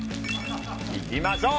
いきましょう！